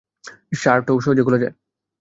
শার্টও সহজে খোলা যায়।